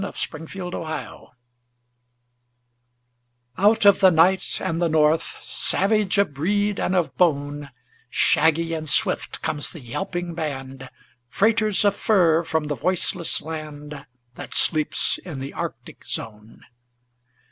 THE TRAIN DOGS Out of the night and the north; Savage of breed and of bone, Shaggy and swift comes the yelping band, Freighters of fur from the voiceless land That sleeps in the Arctic zone.